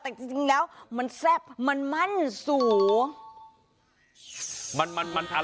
แต่จริงแล้วมันแซ่บมันมั่นสูง